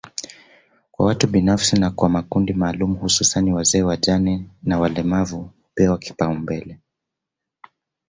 kwa watu binafsi na kwa makundi maalumu hususani wazee wajane na walemavu hupewa kipaumbele